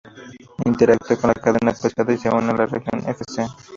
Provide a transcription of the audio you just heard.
Interactúa con la cadena pesada y se une a la región Fc.